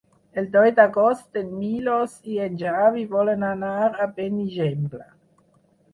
El deu d'agost en Milos i en Xavi volen anar a Benigembla.